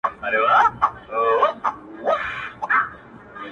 په دعا لاسونه پورته کړه اسمان ته.!